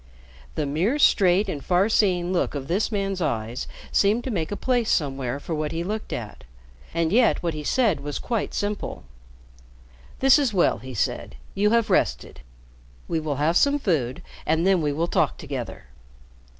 The mere straight and far seeing look of this man's eyes seemed to make a place somewhere for what he looked at. And yet what he said was quite simple. "This is well," he said. "You have rested. We will have some food, and then we will talk together."